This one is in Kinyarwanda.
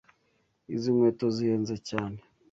Izi nkweto zihenze cyane.